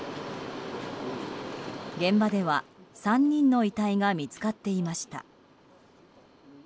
現場では３人の遺体が見つかっていました。